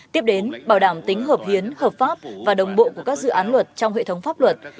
tiếp đến bảo đảm tính hợp hiến hợp pháp và đồng bộ của các dự án luật trong hệ thống pháp luật